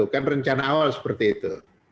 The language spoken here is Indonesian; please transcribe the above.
kan rencana awal seperti itu